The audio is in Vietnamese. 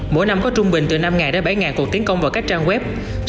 mỗi năm có trung bình từ năm đến bảy cuộc tiến công vào các trang web